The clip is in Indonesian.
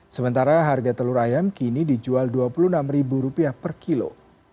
sementara harga telur ayam kini dijual rp dua puluh enam per kilo